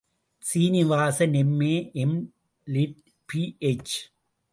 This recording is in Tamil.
Srinivasan M A., M Litt., pH.